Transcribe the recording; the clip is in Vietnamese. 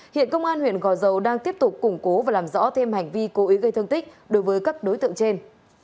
hiện công an huyện gò dầu đang tiếp tục củng cố và làm rõ thêm hành vi cố ý gây thương tích đối với các đối tượng trên